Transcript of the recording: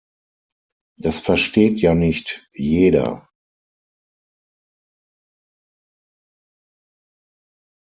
Das versteht ja nicht jeder.